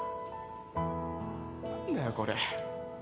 何だよこれ。